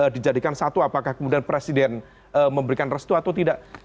dijadikan satu apakah kemudian presiden memberikan restu atau tidak